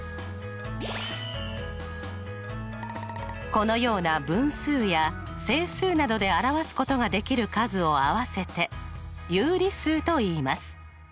このような分数や整数などで表すことができる数を合わせて有理数といいます。